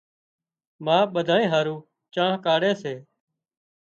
ما ٻڌانئين هارو چانه ڪاڙهي سي